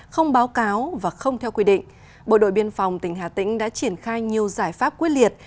không báo cáo và không theo quy định bộ đội biên phòng tỉnh hà tĩnh đã triển khai nhiều giải pháp quyết liệt